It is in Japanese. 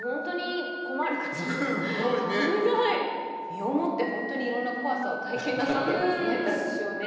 身をもって本当にいろんな怖さを体験なさっていますね団長ね。